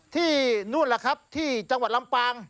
ที่นู่นแหละครับที่จังหวัดลำปาง